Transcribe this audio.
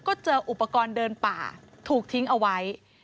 ก็เจออุปกรณ์เดินป่าถูกทิ้งเอาไว้